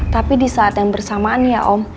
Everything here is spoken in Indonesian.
tapi di saat yang bersamaan ya om